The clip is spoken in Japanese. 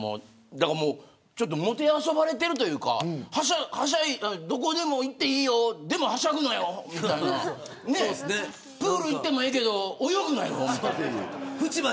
もてあそばれてるというかどこでも行っていいよでもはしゃぐなよみたいなプール行ってもええけど泳ぐなよ。